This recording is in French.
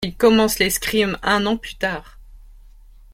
Il commence l'escrime un an plus tard.